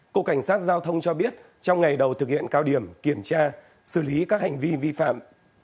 cục cảnh sát giao thông cho biết trong ngày đầu thực hiện cao điểm kiểm tra xử lý các hành vi vi phạm